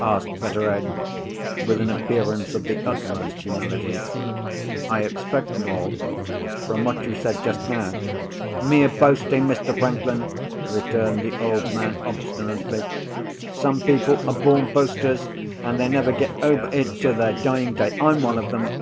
asked Betteredge, with an appearance of the utmost humility. "I expect more—from what you said just now." "Mere boasting, Mr. Franklin," returned the old man obstinately. "Some people are born boasters, and they never get over it to their dying day. I'm one of them."